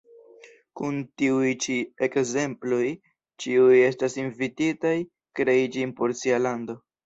Kun tiuj ĉi ekzemploj ĉiuj estas invititaj krei ĝin por sia lando.